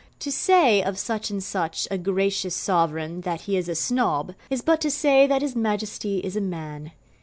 To say of such and such a Gracious Sovereign that he is a Snob, is but to say that his Majesty is a man.